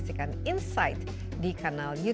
terima kasih sekali